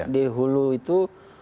di hulu itu